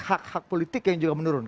hak hak politik yang juga menurun